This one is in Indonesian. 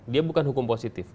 dia bukan hukum positif